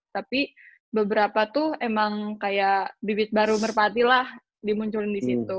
tapi beberapa tuh emang kayak di bit baru merpati lah dimunculin disitu